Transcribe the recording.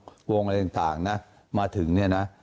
วงอะไรต่างนะมาถึงเนี่ยนะ